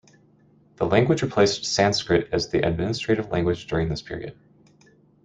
The language replaced Sanskrit as the administrative language during this period.